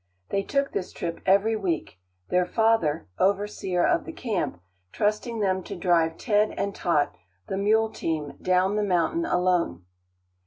They took this trip every week, their father, overseer of the camp, trusting them to drive Ted and Tot, the mule team, down the mountain alone.